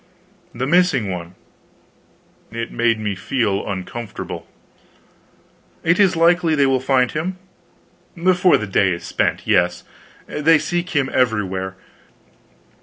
The missing one! It made me feel uncomfortable. "Is it likely they will find him?" "Before the day is spent yes. They seek him everywhere.